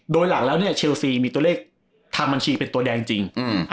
โดยหลักแล้วเนี่ยเชลซีมีตัวเลขทำบัญชีเป็นตัวแดงจริง